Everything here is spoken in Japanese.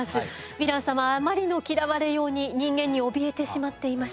ヴィラン様あまりの嫌われように人間におびえてしまっています。